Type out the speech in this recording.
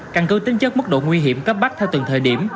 căn cứ tính chất mức độ nguy hiểm cấp bách theo từng thời điểm